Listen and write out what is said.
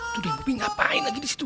tuh dia dan bopi ngapain lagi disitu